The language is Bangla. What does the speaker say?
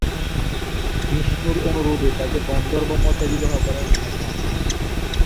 বিষ্ণুর অনুরোধে তাকে গন্ধর্ব মতে বিবাহ করেন ব্রহ্মা।